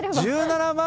１７万